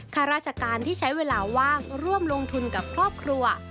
ข้าราชการที่ใช้เวลาว่างร่วมลงทุนกับครอบครัว